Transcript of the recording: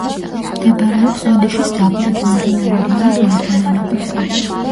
მდებარეობს ოდიშის დაბლობზე, მდინარე რიონის მარჯვენა ნაპირზე.